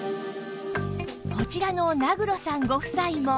こちらの名黒さんご夫妻も